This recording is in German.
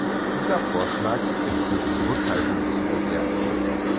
Dieser Vorschlag ist mit Zurückhaltung zu bewerten.